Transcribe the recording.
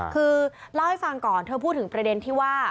คือเล่าให้ฟังก่อนเธอพูดถึงประเด็นที่ว่า